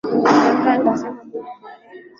nilishagaa nikasema mungu amubariki kwa sababu